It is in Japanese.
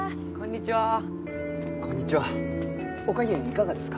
あっこんにちは。